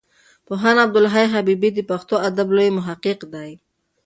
پوهاند عبدالحی حبیبي د پښتو ادب لوی محقق دی.